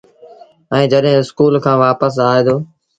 ائيٚݩ جڏهيݩ اسڪُول کآݩ وآپس آئي دو